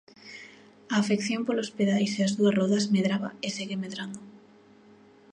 A afección polos pedais e as dúas rodas medraba e segue medrando.